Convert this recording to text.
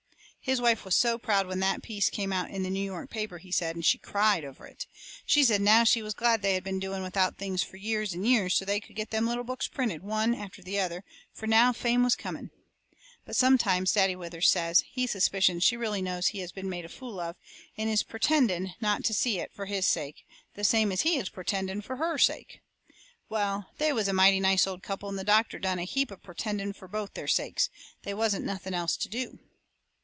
His wife was so proud when that piece come out in that New York paper, he said, she cried over it. She said now she was glad they had been doing without things fur years and years so they could get them little books printed, one after the other, fur now fame was coming. But sometimes, Daddy Withers says, he suspicions she really knows he has been made a fool of, and is pertending not to see it, fur his sake, the same as he is pertending fur HER sake. Well, they was a mighty nice old couple, and the doctor done a heap of pertending fur both their sakes they wasn't nothing else to do.